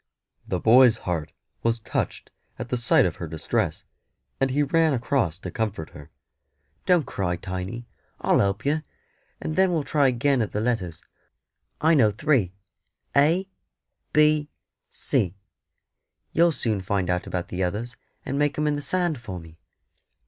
The boy's heart was touched at the sight of her distress, and he ran across to comfort her. "Don't cry, Tiny; I'll help yer, and then we'll try agin at the letters. I know three A B C: you'll soon find out about the others, and make 'em in the sand for me."